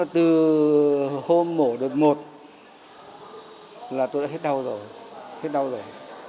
từ hôm mổ đợt một là tôi đã hết đau rồi